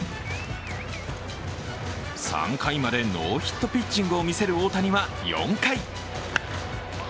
３回までノーヒットピッチングを見せる大谷は４回。